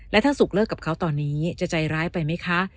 และถ้าสุขเลิกกับเขาตอนนี้จะใจร้ายไปไหมคะ